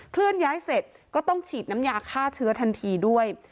เคลื่อนย้ายเสร็จก็ต้องฉีดน้ำยาฆ่าเชื้อทันทีด้วย